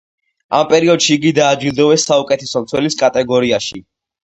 ამ პერიოდში იგი დააჯილდოვეს საუკეთესო მცველის კატეგორიაში.